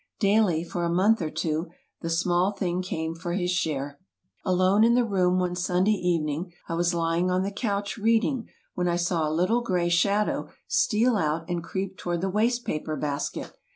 Daily, for a month or two, the small thing came for his share. Alone in the room one Sunday evening, I was lying on the couch reading when I saw a little gray shadow steal out and creep toward the waste paper basket.